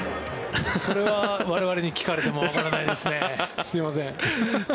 それは我々に聞かれてもわからないですねすみません。